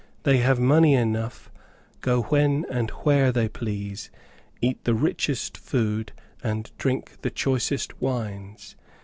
They have money enough, go when, and where they please, eat the richest food and drink the choicest wines.